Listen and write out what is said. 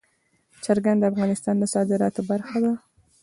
چرګان د افغانستان د صادراتو برخه ده.